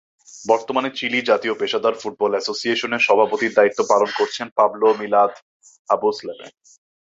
বর্তমানে চিলি জাতীয় পেশাদার ফুটবল অ্যাসোসিয়েশনের সভাপতির দায়িত্ব পালন করছেন পাবলো মিলাদ আবুসলেমে।